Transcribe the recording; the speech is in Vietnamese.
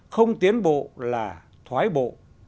không tiến bộ là thoái bộ